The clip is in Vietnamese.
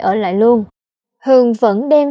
ở lại luôn hương vẫn đem